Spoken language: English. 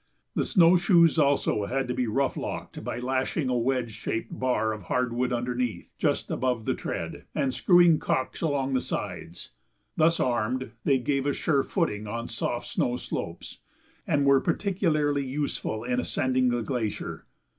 The snow shoes, also, had to be rough locked by lashing a wedge shaped bar of hardwood underneath, just above the tread, and screwing calks along the sides. Thus armed, they gave us sure footing on soft snow slopes, and were particularly useful in ascending the glacier.